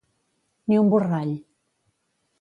Ni un borrall.